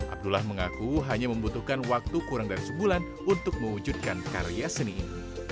abdullah mengaku hanya membutuhkan waktu kurang dari sebulan untuk mewujudkan karya seni ini